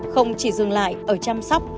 không chỉ dừng lại ở chăm sóc